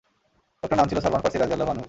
লোকটির নাম ছিল সালমান ফার্সী রাযিয়াল্লাহু আনহু।